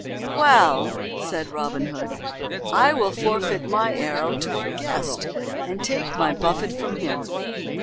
"Well," said Robin Hood, "I will forfeit my arrow to our guest and take my buffet from him."